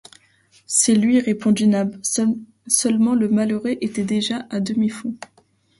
C’est lui, répondit Nab, seulement le malheureux était déjà à demi fou.